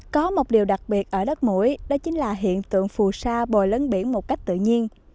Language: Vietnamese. có một điều đặc biệt ở đất mũi đó chính là hiện tượng phù sa bồi lấn biển một cách tự nhiên